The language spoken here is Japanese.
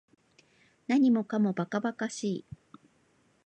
何もかも馬鹿馬鹿しい